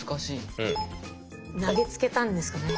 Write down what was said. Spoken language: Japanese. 投げつけたんですかね。